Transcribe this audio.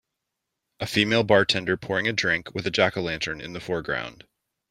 A female bartender pouring a drink, with a jackolantern in the foreground.